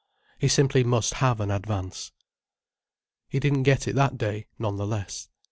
He simply must have an advance. He didn't get it that day, none the less.